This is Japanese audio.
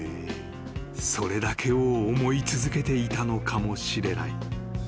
［それだけを思い続けていたのかもしれない］